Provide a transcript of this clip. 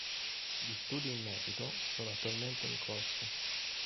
Gli studi in merito sono attualmente in corso.